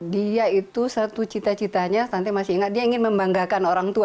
dia itu satu cita citanya stunting masih ingat dia ingin membanggakan orang tua